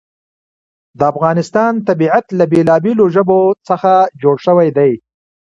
د افغانستان طبیعت له بېلابېلو ژبو څخه جوړ شوی دی.